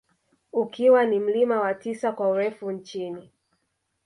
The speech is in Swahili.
Ukiwa ni mlima wa tisa kwa urefu nchini